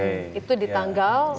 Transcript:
itu di tanggal